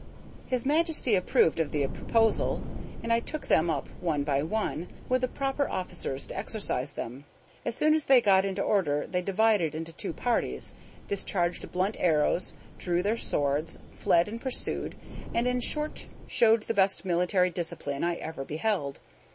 His majesty approved of the proposal, and I took them up one by one, with the proper officers to exercise them. As soon as they got into order they divided into two parties, discharged blunt arrows, drew their swords, fled and pursued, and, in short, showed the best military discipline I ever beheld.